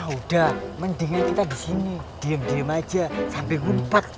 udah mendingan kita di sini diem diem aja sampai lupa